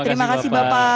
terima kasih bapak